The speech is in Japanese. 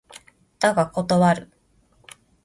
だが断る。